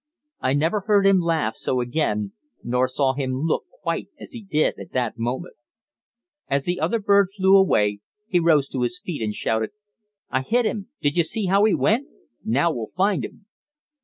I never heard him laugh so again, nor saw him look quite as he did at that moment. As the other bird flew away, he rose to his feet and shouted: "I hit 'im! did you see how he went? Now we'll find 'im."